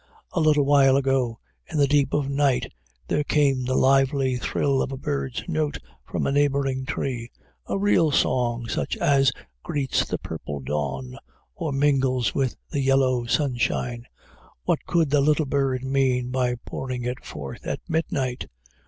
A little while ago, in the deep of night, there came the lively thrill of a bird's note from a neighboring tree a real song such as greets the purple dawn or mingles with the yellow sunshine. What could the little bird mean by pouring it forth at midnight?